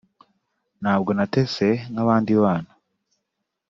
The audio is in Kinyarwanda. ntabwo natese nk’abandi bana